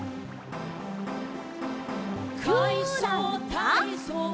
「かいそうたいそう」